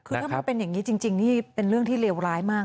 คือถ้ามันเป็นอย่างนี้จริงนี่เป็นเรื่องที่เลวร้ายมาก